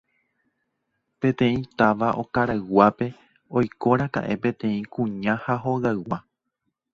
peteĩ táva okarayguápe oikóraka'e peteĩ kuña ha hogaygua